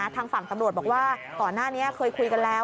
ทางฝั่งตำรวจบอกว่าก่อนหน้านี้เคยคุยกันแล้ว